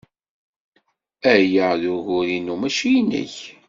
Aya d ugur-inu, maci nnek.